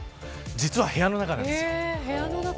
実は部屋の中なんです。